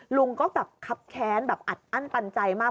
ลุงก็แบบคับแค้นแบบอัดอั้นตันใจมาก